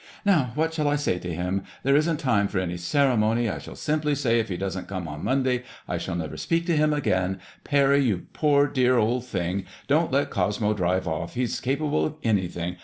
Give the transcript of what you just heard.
''Now what shall I say to him? There isn't time for any ceremony. I shall simply say if he doesn't come on Monday, I shall never speak to him again. Parry, you dear old thing,. don't let Cosmo drive o& He's capable of anything.